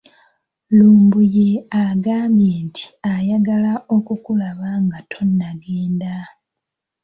Lumbuye agambye nti ayagala okukulaba nga tonnagenda.